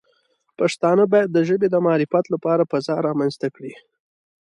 پښتانه باید د ژبې د معرفت لپاره فضا رامنځته کړي.